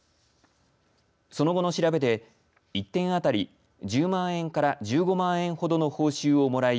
その後の調べで１点あたり１０万円から１５万円ほどの報酬をもらい